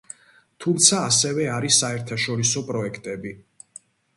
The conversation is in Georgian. თუმცა ასევე არის საერთაშორისო პროექტები.